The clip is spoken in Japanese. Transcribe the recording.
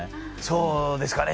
そうですかね。